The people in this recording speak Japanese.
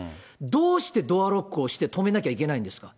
どうしてドアロックをして止めなきゃいけないんですか。